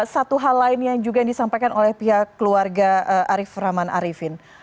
satu hal lain yang juga disampaikan oleh pihak keluarga arief rahman arifin